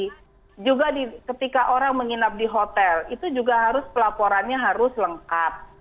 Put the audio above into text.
jadi juga ketika orang menginap di hotel itu juga harus pelaporannya harus lengkap